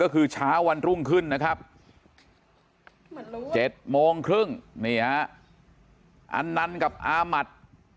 ก็คือเช้าวันรุ่งขึ้นนะครับ๗โมงครึ่งนี่ฮะอันนั้นกับอามัติ